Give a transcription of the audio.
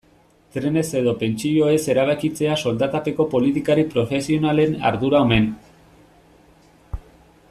Trenez edo pentsioez erabakitzea soldatapeko politikari profesionalen ardura omen.